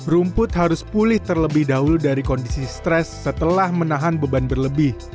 rumput harus pulih terlebih dahulu dari kondisi stres setelah menahan beban berlebih